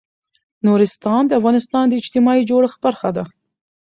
نورستان د افغانستان د اجتماعي جوړښت برخه ده.